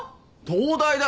東大だろ。